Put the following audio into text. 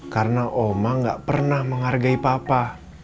karena oma gak pernah menghargai papa